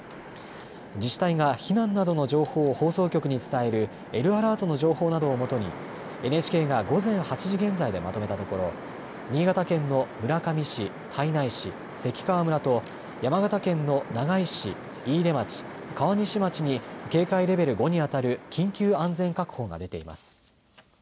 自治体が避難などの情報を放送局に伝えるＬアラートの情報などを基にＮＨＫが午前８時現在でまとめたところ新潟県の村上市、胎内市、関川村と山形県の長井市、飯豊町、川西町に警戒レベル５にあたる緊急安全確保が出ています。